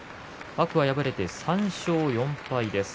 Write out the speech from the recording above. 天空海が敗れて３勝４敗です。